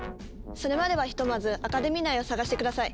それまではひとまずアカデミー内を捜して下さい。